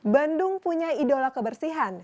bandung punya idola kebersihan